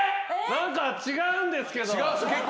何か違うんですけど。